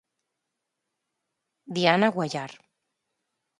Diana Guallar.